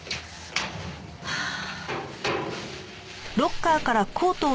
はあ。